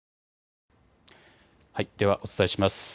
ではお伝えします。